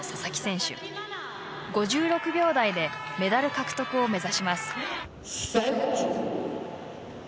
５６秒台でメダル獲得を目指します。